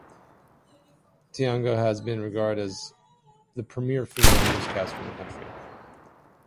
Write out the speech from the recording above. Tiangco has been regarded as the premier female newscaster in the country.